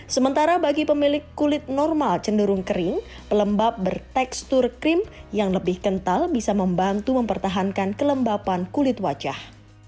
sementara bagi pemilik kulit normal cenderung kering pelembab bertekstur krim yang lebih kental bisa membantu mempertahankan kelembapan kulit wajah